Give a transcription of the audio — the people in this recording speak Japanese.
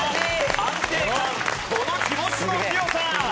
安定感この気持ちの強さ！